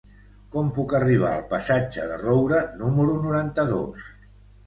Com puc arribar al passatge de Roura número noranta-dos?